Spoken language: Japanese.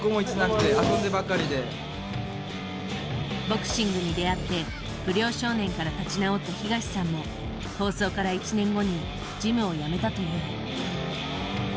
ボクシングに出会って不良少年から立ち直った東さんも放送から１年後にジムをやめたという。